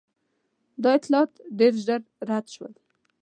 دا اطلاعات ډېر ژر رد شول.